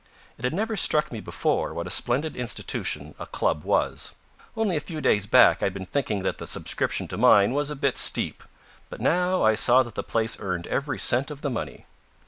It had never struck me before what a splendid institution a club was. Only a few days back I'd been thinking that the subscription to mine was a bit steep. But now I saw that the place earned every cent of the money.